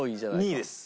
２位です。